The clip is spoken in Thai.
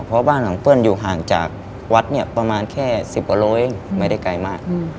เพราะบ้านของเปิ้ลอยู่ห่างจากวัดเนี่ยประมาณแค่๑๐กว่าโลเองไม่ได้ไกลมาก